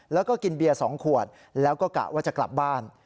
แล้วก็กินเบียร์๒ขวดแล้วก็กะว่าจะกลับบ้าน